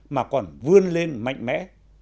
mà còn vươn lên mạnh mẽ